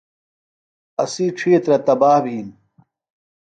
اسی ڇِھیترہ تباہ بِھین۔